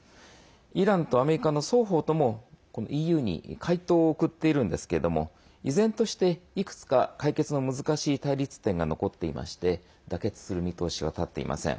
イランとアメリカの双方ともＥＵに回答を送っているんですけれども依然として、いくつか解決の難しい対立点が残っていまして妥結する見通しは立っていません。